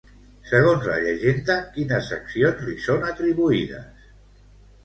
Segons la llegenda, quines accions li són atribuïdes?